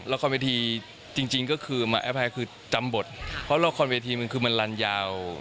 ละครเวทีจริงคือจำบทเพราะละครเวทีมันคือมันรันยาว